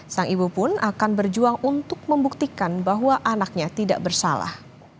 sang ibu pun akan berjuang untuk membuktikan bahwa anaknya tidak bersalah